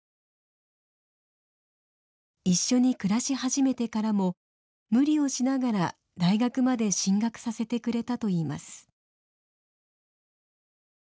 一緒に暮らし始めてからも無理をしながら大学まで進学させてくれたといいます。